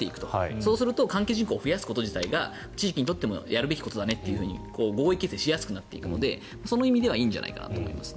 そうすると関係人口を増やすこと自体が地域にとってもやるべきだねと合意形成しやすくなっていくのでその意味ではいいんじゃないかなと思いますね。